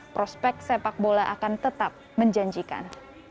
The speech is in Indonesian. prospek sepak bola akan tetap menjanjikan